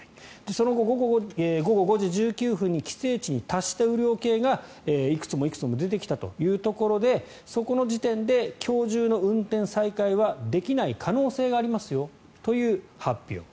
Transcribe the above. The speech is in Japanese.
その後、午後５時１９分に規制値に達した雨量計がいくつも出てきたということでそこの時点で今日中の運転再開はできない可能性がありますよという発表。